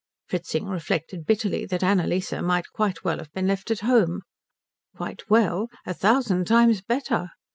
Fritzing reflected bitterly that Annalise might quite well have been left at home. Quite well? A thousand times better.